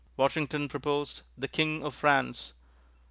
Washington proposed "The King of France."